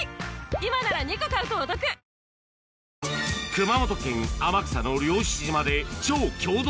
熊本県天草の漁師島で超郷土